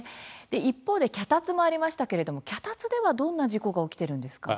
一方で脚立もありましたけれども脚立ではどんな事故が起きているんですか。